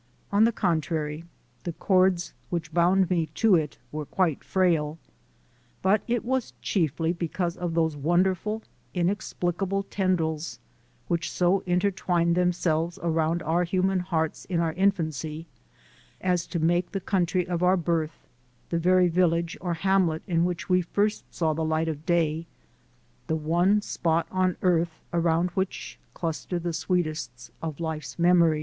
On the contrary, the cords which bound me to it were quite frail. But it was chiefly because of those wonderful, inexplicable tendrils which so intertwine themselves around our human hearts in our infancy as to make the country of our birth, the very village or hamlet in which we first saw the light of day, the one spot on earth around which cluster the sweetest of life's memories.